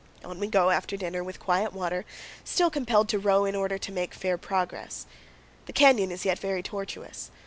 On we go, after dinner, with quiet water, still compelled to row in order to make fair progress. The canyon is yet very tortuous.